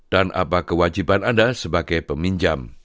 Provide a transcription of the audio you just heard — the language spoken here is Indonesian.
dan apa kewajiban anda sebagai peminjam